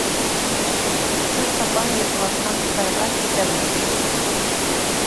سىز چاپان يېپىۋاتقان خىتايغا كېتەلمەيسىز.